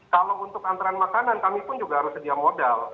kalau untuk antrean makanan kami pun juga harus sedia modal